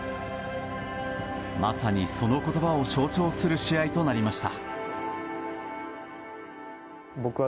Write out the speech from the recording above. まさに、その言葉を象徴する試合となりました。